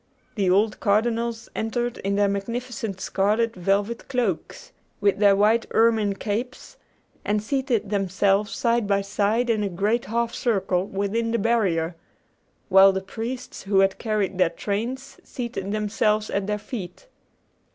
The old cardinals entered in their magnificent scarlet velvet cloaks, with their white ermine capes, and seated themselves side by side in a great half circle within the barrier, while the priests who had carried their trains seated themselves at their feet.